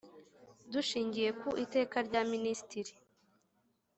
Dushingiye ku iteka rya minisitiri